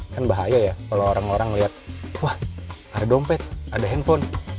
kan bahaya ya kalau orang orang melihat wah ada dompet ada handphone